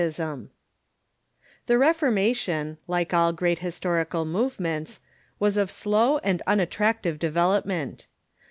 ] The Reformation, like all great historical movements, was of slow and unattractive development.